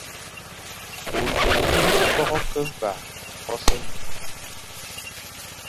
Ônyu vogho ke vaʼa fwas mbil.